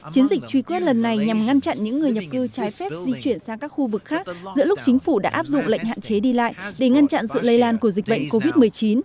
chiến dịch truy quét lần này nhằm ngăn chặn những người nhập cư trái phép di chuyển sang các khu vực khác giữa lúc chính phủ đã áp dụng lệnh hạn chế đi lại để ngăn chặn sự lây lan của dịch bệnh covid một mươi chín